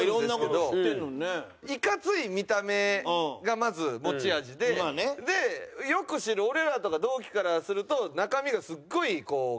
いかつい見た目がまず持ち味ででよく知る俺らとか同期からすると中身がすっごいかわいい。